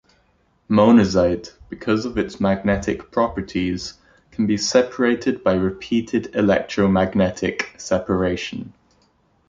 Monazite, because of its magnetic properties, can be separated by repeated electromagnetic separation.